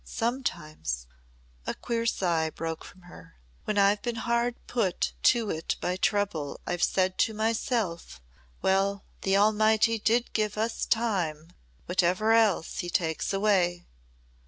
Sometimes," a queer sigh broke from her, "when I've been hard put to it by trouble, I've said to myself, 'Well the Almighty did give us time whatever else he takes away.'"